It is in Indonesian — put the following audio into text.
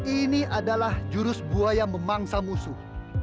ini adalah jurus buaya memangsa musuh